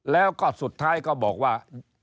แล้วก็สุดท้ายก็บอกว่า